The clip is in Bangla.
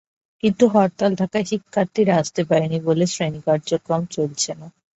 কিন্তু হরতাল থাকায় শিক্ষার্থীরা আসতে পারেনি বলে শ্রেণী কার্যক্রম চলছে না।